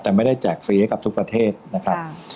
แต่ไม่ได้แจกฟรีให้กับทุกประเทศนะครับ